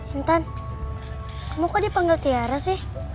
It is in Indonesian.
intan kamu kok dipanggil tiara sih